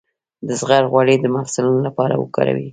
د زغر غوړي د مفصلونو لپاره وکاروئ